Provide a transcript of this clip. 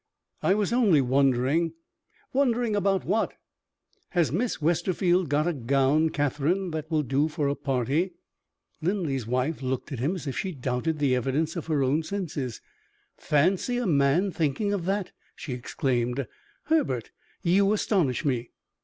"I was only wondering " "Wondering about what?" "Has Miss Westerfield got a gown, Catherine, that will do for a party?" Linley's wife looked at him as if she doubted the evidence of her own senses. "Fancy a man thinking of that!" she exclaimed. "Herbert, you astonish me."